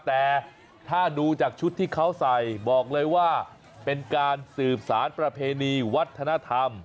แต่ถ้าดูจากชุดที่เขาใส่บอกเลยว่าเป็นการสืบสารประเพณีวัฒนธรรม